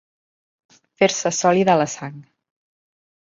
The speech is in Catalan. Fer-se sòlida la sang.